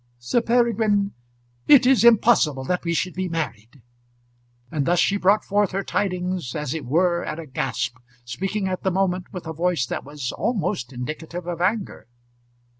"Sir Peregrine, it is impossible that we should be married." And thus she brought forth her tidings, as it were at a gasp, speaking at the moment with a voice that was almost indicative of anger.